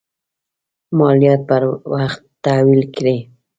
مالیات پر وخت تحویل کړي.